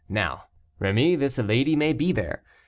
Now, Rémy, this lady may be there.